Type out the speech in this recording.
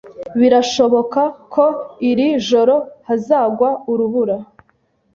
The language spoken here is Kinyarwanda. Birashoboka ko iri joro hazagwa urubura.